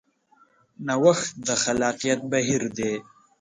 نوښت د خلاقیت بهیر دی.